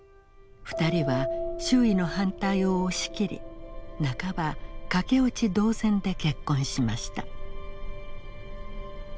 ２人は周囲の反対を押し切り半ば駆け落ち同然で結婚しました。